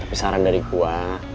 tapi saran dari gue